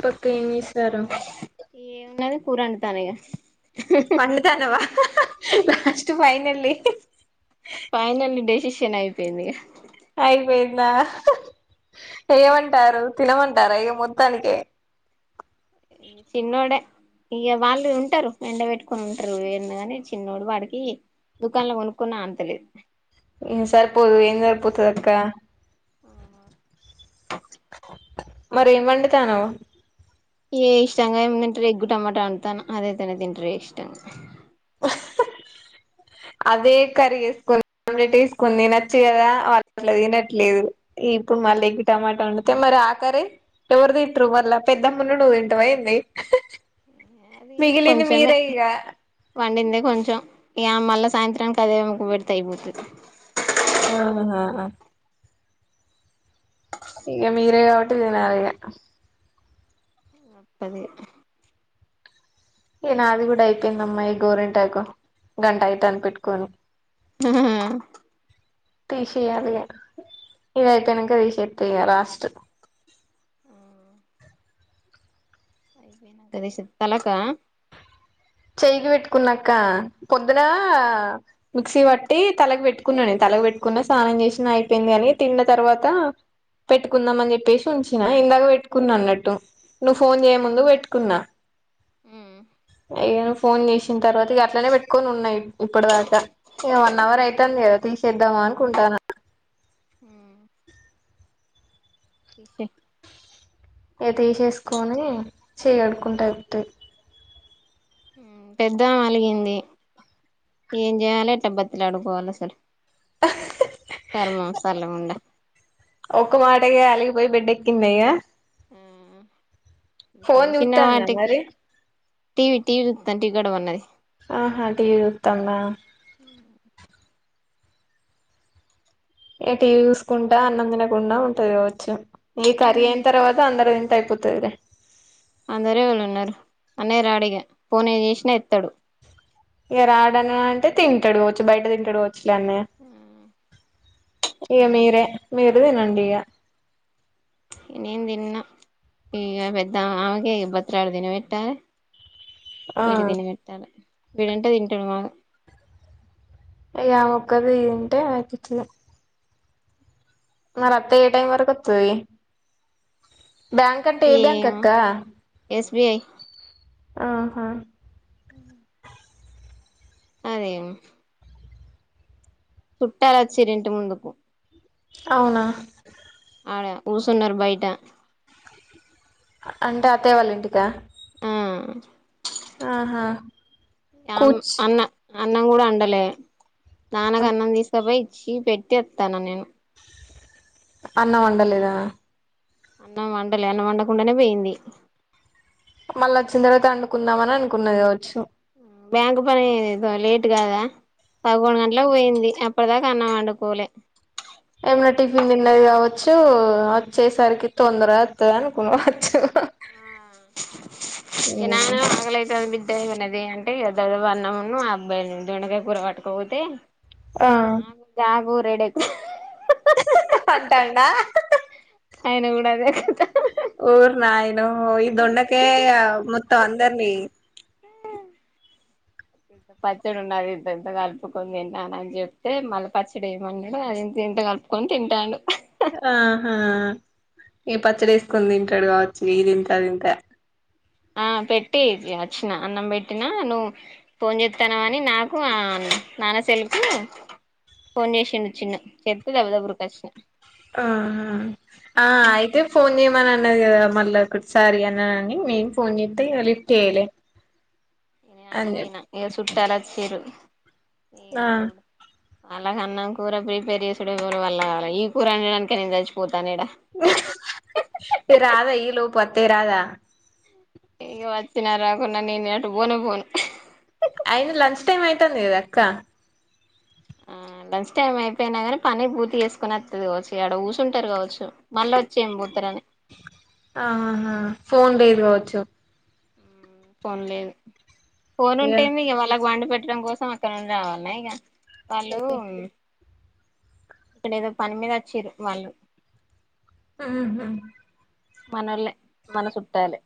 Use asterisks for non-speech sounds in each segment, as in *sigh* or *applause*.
పక్క ఏం ఏసరు. ఏం ఉన్నది కూర ఒండుతాన్న ఇగ పండుతాన్నవ లాస్ట్ ఫైనల్లి. తిన్ అయిపోయింది ఇగ అయిపొయిందా? ఏమంటారు తినమంటరా ఇగ మొత్తానికే చిన్నోడే ఇగ వాళ్ళు ఉంటరు ఎండ వెట్టుకొన్ ఉంటరు ఏం గని చిన్నోడు వాడికి దుకాన్ల కొనుక్కున్న ఆన్తలే సరిపోదు ఏం సరిపోతదక్క. మరేం వండుతానవ్ ఏ ఇష్టంగ ఏం తింటరు ఎగ్ టమాట వండుతాన్న అదయితనే తింటరు ఇష్టంగ. అదే కర్రీ ఏస్కొన్ ఆమ్లెట్ ఏస్కొన్ తినొచ్చు గదా వాల్ అట్ల తినట్లేదు ఈ ఇప్పుడ్ మళ్ళ ఎగ్ టమాట వండుతే మరి ఆ కర్రీ ఎవర్ తింన్ట్రూ మళ్ళ పెద్దమ్మ ఉన్ నువ్ తింటవ ఏంది. అది మిగిలింది మీరే ఇగ కొంచం ఇగ మళ్ళ సాయంత్రంకదే పెడ్తే అయిపొతది. ఆహా ఇగ మీరే గాబట్టి తినాల్ ఇగ అప్పది ఇగ్ నాది గుడ అయిపోయిందమ్మా ఈ గోరింటాకు గంట అయ్తాంది పెట్టుకోని *inaudible* తీసేయాలిగ ఇది అయిపొయినంక తీసేత్త ఇగ లాస్ట్ *inaudible* తలకా చేయికి పెట్టుకున్నక్క పొద్దునా మిక్సి పట్టి తలకి వెట్టుకున్న నేన్ తలక్ పెట్కో కున్న స్నానం చేశిన అయిపోయింది గని తిన్న తర్వాత పెట్టుకుందాం అన్ చెప్పెసి ఉంచిన ఇందాక పెట్టుకున్న అన్నట్టు నువ్ ఫోన్ చేయ ముందుక్ వెట్కున్న. *inaudible* ఇగ నువ్ ఫోన్ చేశిన్ తర్వాత ఇగ అట్లనే పెట్టుకొన్ ఉన్న ఇప్పట్ దాక ఇగ వన్ అవర్ అయ్తాంది గదా తీసేద్దామా అన్కుంటాన తీసెయ్ ఇగ తీసేస్కోని చెయ్ కడుక్కుంటే అయిపోతది. పెద్దమె అలిగింది ఏం చేయాలె ఎట్ల బతిలాడుకోవలె అసలు కర్మం సల్లగుండ పోయ్ బెడ్ఎక్కింద ఇగ మ్ ఫోన్ జుత్తాన్నా మరి టీవీ టీవీ చూస్తాను టీ గొడవ ఉన్నది ఆహా టీవి చూత్తాందా. ఇగ టివి చూసుకుంటా అన్నం తినకుండా ఉంటది కావచ్చు ఈ కర్రీ అయిన తర్వాత అందరు తింటే అయిపో పోతదిలే అందరేవాలు ఉన్నారు అన్నయ్య రాడిగా ఫోన్ ఏ చేసినా ఎత్తాడు ఇగ రాడనా అంటే తింటాడుకవచ్చు బయట తింటాడుకవ ఇగ అన్నయ్య ఇగ తినని మీరె మీర అదేనండీయ నేన్ తిన్న ఇగా పెద్ద ఆమెకే బతిలాడి దిన పెట్టాలే ఆ వీడి తినిబెట్టాలి వీడంటే తింటాడు మాగా ఇగ ఆమె ఒక్కతి దింటే అఐపోతాది మరి అత్తయ్య ఏ టైమ్ వరకు అత్తది బ్యాంక్ అంటే ఏ బ్యాంక్ అక్క వి ఐ ఆహా ఆహా అదే చుట్టలు వచ్చిన్రు ఇంటి ముందుకు అవునా ఆడ కుసున్నరు బయట అంటే అత్తయ వాళ్ళ ఇంటికా ఆ ఆహా ఆమ్ కూర్చ్ అన్న అన్నం కూడా అండలే నాన్నకు అన్నం తీసుకపోయి ఇచ్చి పెట్టి అత్తన నేను అన్నం వండలేదా అన్నం వండలే అన్నం వండకుండానే పోయింది మళ్ళ అచ్చిన తర్వాత వండుకుందామ అని అనుకున్నది కావచ్చు బ్యాంక్ పని ఏదో లేట్ కాదా పదకొండు గంటలకు పోయింది అప్పటిదాకా అన్నాం వండు కోలే ఏమనా టిఫిన్ తిన్నది కావచ్చు అచ్చేసరికి తొందర గ అత్తది అనుకొవచ్చు ఆ ఇగ నాన్న ఆగలైత న్ బి డ్డ ఏమన దే అంటే అన్నము ఆ అబ్బా దొండకాయ కూర పట్టుకపోతే ఆ నాగ్ గ కూర ఏడ అంటండా అయన కూడా అదే అం ఓర్ నాయనో ఇ డోన్డకాయ మొత్తం అందర్ని ఇ పచ్చడి ఉన్న అది ఇంత ఎంత కలుపుకొని తింటన అని చెప్తే మళ్ళ పచ్చడి ఏమన్నాడు అది ఇంత కలుపుకొని తింటాడు ఆహా ఇగ పచ్చడ ఎసుకొని తింటాడు కావచ్చు ఇదింత అదింత ఆ పెట్టి వచ్చిన అన్నం పెట్టినా నువ్వు ఫోన్ చేత్తన వని నాకు అ నాన సెల్ కి పోన్ చేసిండు చిన్ను చెప్తే దబదబఉరికచ్చిన ఆహ ఆ అయితే ఫోన్ చేయమ్ మన అనాది కదా మళ్ళా ఒకసారి అన్నాని మేం ఫోన్ చేతే లిఫ్ట్ చేయలే నేన్ అని చెప్ ఆటుపోయినా ఇక చుట్టూలచ్చిర్రు ఇగ ఆ చూడు అలాగ అన్నం కూర ప్రిపేర్ చేసుడే ఎవరివల్ల కాలే ఈ కూర వండానికె నేను చచ్చిపోతాన ఇడ. ఇ రాధా ఈలు పత్తే రాదా ఇగ వచ్చినారకున్నా నేనే అటు పోనే పోను టైమ్ అయితది గదా అక్కా ఆ లంచ్ టైం అయిపోయినా గానీ పని పూర్తి అ లంచ్ టైం అయిపోయిన గని పని పూర్తి చేసుకొని అత్తది కావచ్చు ఇగ అడ కూసుంటారు కావచ్చు మళ్ళ అచ్చి ఏం పోతరని ఆహాహ ఫోన్ లేదు కావచ్చు ఫోన్ లేదు ఫోన్ ఉంటేంది ఇగ వాళ్ళకు వండి పెట్టడం కోసం అక్కడ నుండి రావాల ఇగ. వాళ్ళు ఇక్కడ ఏదో పని మీద వచ్చిరు వాళ్ళు ఆహ మనోళ్లే మన చుట్టాలె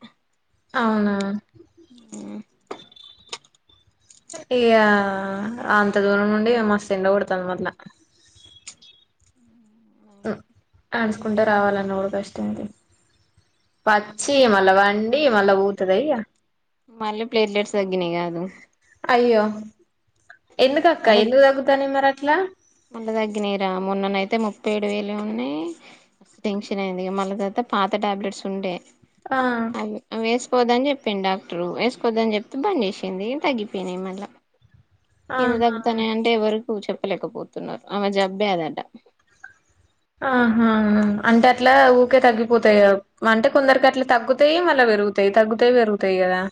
అవునా ఉమ్ ఇగ అంత దూరం నుండి మస్తు ఎండ కొడతాంది మళ్ల ఉ నడుచుకుంట రావాలన్న కూడ కష్టం ఇది. పచ్చి మళ్ళ వండి మళ్ళ పొతదఇగ మళ్ళీ ప్లేట్లెట్స్ తగ్గినయి కాదు అయ్యో ఎందుకక్క ఎందుకు తగ్గుతాన్నాయి మరి అట్లా? మళ్ళ తగ్గినాయి రా మొన్నన అయితే ముప్పై ఏడు వేలు ఉన్నాయి. టెన్షన్ అయింది ఇగ మళ్ళ తరువాత పాత టాబ్లెట్స్ ఉండే. ఆ అవి వేసు కోద్దని చెప్పిండు డాక్టర్ వేసుకోద్దని చెప్తే బంద్ చేసింది తగ్గిపోయినయి మళ్ళ. ఎందుకు ఆహా తగ్గుతాన్నాయి అంటే ఎవరకు చెప్పలేకపోతున్నారు, ఆమె జబ్బే అదంట. ఆహ అంటే అట్లా ఊకే తగ్గిపోతాయి. అంటే కొందరికి అట్లా తగ్గుతాయి మళ్ళ పె పెరుగుతాయి, తగ్గుతయి పెరుగుతయి కదా.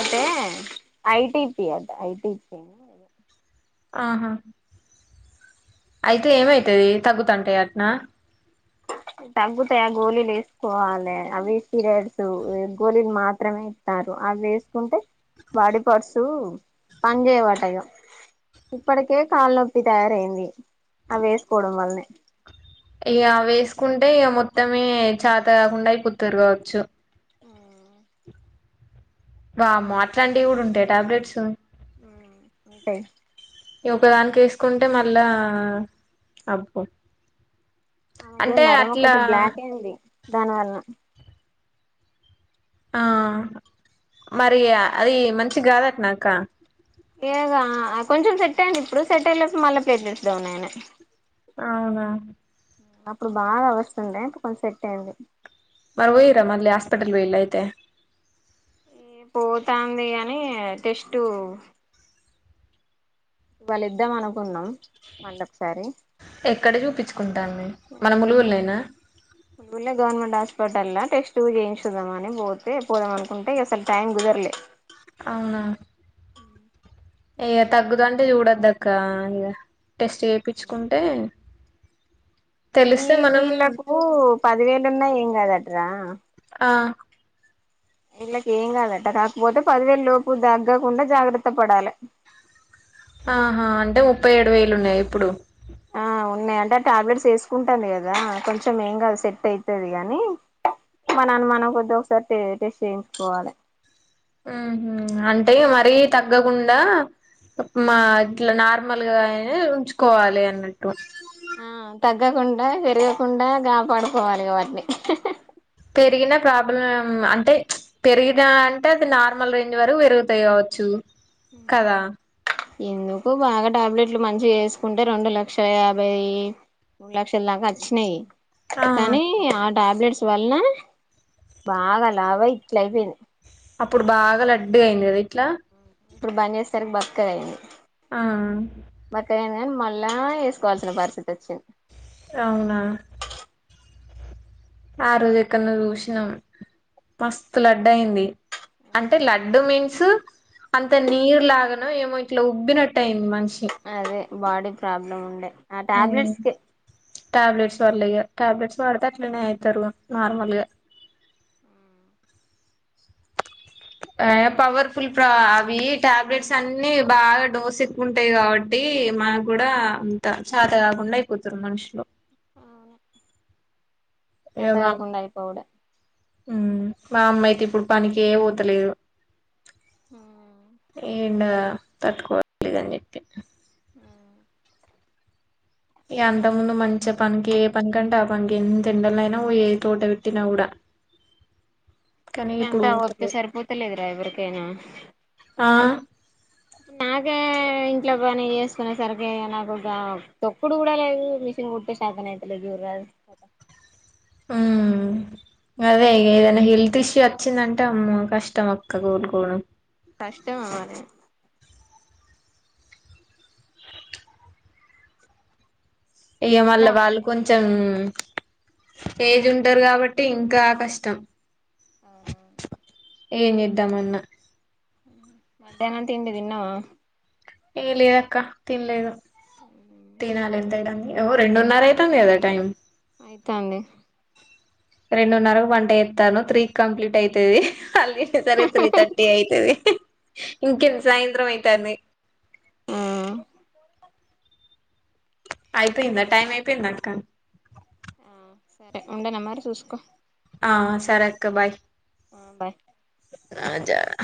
అదే ఐటిపి అట ఐటిపి ఆహా అయితే ఏమైతది తగ్గుతాంటయి అట్నా తగ్గుతాయా గోళిలు వేసుకోవాలె. అవి పీరియడ్స్ గోళిలు మాత్రమే ఇస్త కాదు అవి వేసుకుంటే బాడీ పార్ట్స్ పని చేయవట ఇగ. ఇప్పటికే కాళ్ళ నొప్పి తయారయింది. ఆ వేసుకోవడం వల్లనే. ఇగ అవి వేసుకుంటే ఇగ మొత్తమే చాత కాకుండా అయి పొత్తూరు కావచ్చు. ఆ వామ్మో అట్లాంటివి కూడా ఉంటాయ టాబ్లెట్స్? మ్ ఉంటయ్. ఇ ఒకదానికి వేసుకుంటే మళ్ళా అబ్బో ఆమెకు అంటే నరం అట్లా ఒకటి బ్లాక్ అయింది దాని వల్ల ఆ మరి అది మంచి గాదట్ న అక్క ఏగా కొంచెం సెట్ అయ్యింది ఇప్పుడు, సెట్ అయ్యే లోపు మళ్ళా ప్లేట్లెస్ డౌన్ అయినయ్. అవునా అప్పుడు బాగా వస్తుండే ఇప్పుడు కొంచెం సెట్ అయింది. మరి వయిరా మళ్ళీ హాస్పిటల్ ఓయిల్లా అయితే. ఈ పోతాంది గని టెస్టు ఇవాళ్ళిద్దాం అనుకున్నాం. మళ్ళ ఒకసారి ఎక్కడ చూపించుకుంటాన్నవ్ మన ములుగుల్లెనా? ములగ్ గవర్నమెంట్ హాస్ హాస్పిటల్లా టెస్టులు చేయించుకుందామని పోతే, పోదామనుకుంటే ఇగ అసలు టైం కుదరలే. అవునా ఇగ తగ్గదు అంటే చూడదు అక్క ఇగ టెస్ట్ చేయించుకుంటే ఈ మనం వీళ్ళలకు పదివేలున్నా ఏం కాదట్రా. ఆ ఇళ్ళకి ఏం కాదట కాక్ పోతే పదివేల్ లోపు దగ్గకుండా జాగ్రత్త పడాలే ఆహా అంటే ముప్పై ఏడు వేలున్నాయి ఇప్పుడు. నే అంటే టాబ్ లేట్స్ ఎసుకుంటానే గదా కొంచమ్ ఏం కాద్ సెట్ అయితది గానీ మన అన్ మనమ్ కొద్దో ఒక్ సార్ టే టెస్ట్ చేయించుకోవాలే ఉహుమ్ అంటే మరీ తగ్గగుండా మా ఇట్లా నార్ మల్ గాయినే ఉంచుకోవాలి అన్నట్టు ఆ తగ్గకుండా పెరగకుండా గాపాడుకోవాలి వాట్ ని హ్ పెరిగిన ప్రాబ్ లమ్ అంటే చ్ పెరిగినా అంటే అద్ నార్ మాల్ రేంజ్ వరు ఎరుగుతాయి గావోచ్చు కదా ఎందుకు బాగా టాబ్ లేట్లు మంచి ఎస్ కుంటే రొండు లక్ష యాభై ఇ మూడ్ లక్షల్ దాకా అచ్చినాయి ఆ కానీ ఆడ్ టాబ్ లెట్లు వాల్ నా బాగా లవాయి ఇట్లు అయిపెంద్ అప్పుడు బాగా లడ్డుగా అయింది కదా ఇట్లా ఇపుడు బాన్ జేస్తరు కి బక్కగాయింది ఆ అ కాన్ మళ్ళా ఎస్ కోల్ సిన పర్ స్థితి ఓచిన్ ఔనా ఆ రోజ్ ఎక్కన్ నో జుష్ నాం మస్తు లడ్డయింది అంటే లడ్డు మీన్స్ అంత నీర్ లాగానొ ఏమో ఇట్లా ఉబ్బినట్టు అయింది మన్ ష్ అదే బాడీ ప్రాబ్ లమ్ ఉండే ఆ ట్యాబ్ లేట్స్ కే ట్యాబ్ లేట్స్ వాల్ల ఇగ ట్యాబ్ లేట్స్ వాడ్ తే అట్లనే ఐతారువ నార్ మాల్ గా య్ పవర్ ఫుల్ ప్ర అవి ట్యాబ్ లేట్స్ అన్ని బాగా డోస్ ఎక్ వుంటాయి గాబట్ తి మా గుడా అంత చాతా కాకుండా అయిపోతుర్ మన్ షులు చాత కాకుండా అయిపోవ్ డే ఉమ్ మా అమ్మ అయితే ఇప్పుడు పనికే ఏ ఓతలేదు ఏ ఇండ ఆ తట్ కోల్ లేదన్ జెప్పి ఇగ అంత ముందు మంచి పన్ కే ఏ పన్ కంటే ఆ పన్ కి ఎంత ఎండలయినా ఓయేది టోటల్ కీ టీన్న ఉడా ఎంత ఓత్తి పోతలేదు సర్ పోతలేదురా ఎవరికైనా ఆ నాకే ఏ ఇన్ ఇట్లా పని ఏస్ కునే సర్ కే నాకు గామ్ తొక్కుడు కూడా లేదు మిషన్ కుట్టే సేతనయితలేదు జురాదు కథ ఆ ఊ అదే ఏదనా హెల్ త్ ఇష్యూ ఓచ్చిందంటే అమ్మో కష్టమక్క గోల్ కోడమ్ కష్టమ్ మారే ఇగ వళ్ళ తిన్నావా వాళ్ కొంచమ్ ఏజ్ ఉంటారు కాబట్టి ఇంకా కష్టం ఔను ఏం జేద్దామన్న మడ్యానం తిండి దిన్నావ ఏ లేద్ అక్క తిన్ లేదు తినాలి ఇదరమ్ ఓ రొండున్ న్నర అయితుంది కదా టైం అయితన్ ది రొండున్ న్నరకు వంట ఎతానవ్ త్రీ కంప్లిట్ అయితది కల్ జెష్ నవ్ సరే త్రీ థర్టీ అయితది హీ ఆ ఇంకెంద్ సాయంత్రం అయితంది ఆ అయిపెందా టైమ్ అయిపెందక్క ఆ సరే ఉండన్న మరి చూసుకో ఆ సరే అక్క బాయ్ ఆ బాయ్ ఆ జ